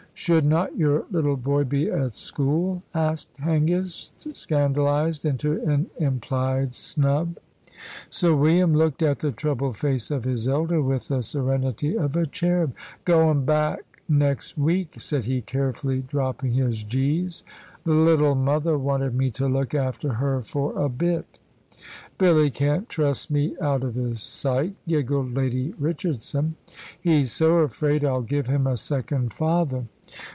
"Should not your little boy be at school?" asked Hengist, scandalised into an implied snub. Sir William looked at the troubled face of his elder with the serenity of a cherub. "Goin' back nex' week," said he, carefully dropping his "g's." "Th' little mother wanted me to look after her for a bit." "Billy can't trust me out of his sight," giggled Lady Richardson. "He's so afraid I'll give him a second father."